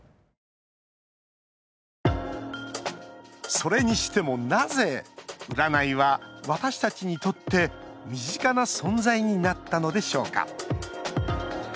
それにしても、なぜ占いは私たちにとって、身近な存在になったのでしょうか